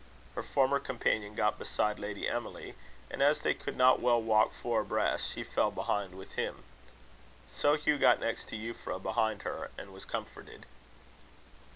Her former companion got beside Lady Emily, and as they could not well walk four abreast, she fell behind with him. So Hugh got next to Euphra, behind her, and was comforted.